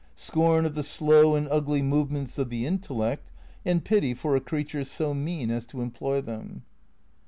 Scorn of the slow and ugly movements of the intellect, and pity for a creature so mean as to employ them.